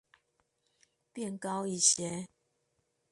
變高一些